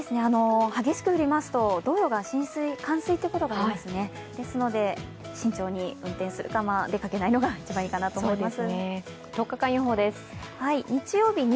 激しく降りますと道路が冠水ということがありますので慎重に運転するか、出かけないのが一番いいと思います。